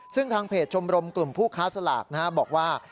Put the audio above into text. ซึ่งทางเพจชมรมกลุ่มผู้ค้าสลากบอกว่า